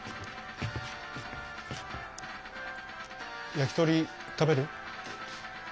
焼きとり食べる？